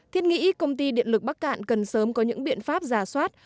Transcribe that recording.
thiết nghĩ công ty điện lực bắc cạn cần sớm có những biện pháp giả soát